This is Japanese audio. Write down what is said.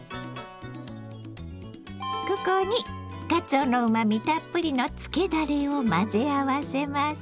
ここにかつおのうまみたっぷりのつけだれを混ぜ合わせます。